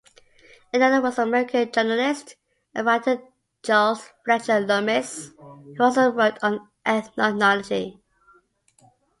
Another was American journalist and writer Charles Fletcher Lummis, who also wrote on ethnology.